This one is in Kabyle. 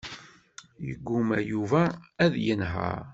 Yegguma Yuba ad yenheṛ.